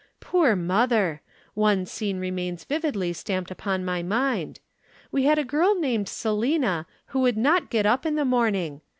Poor mother! One scene remains vividly stamped upon my mind. We had a girl named Selina who would not get up in the morning.